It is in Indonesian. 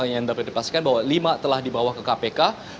yang dapat dipastikan bahwa lima telah dibawa ke kpk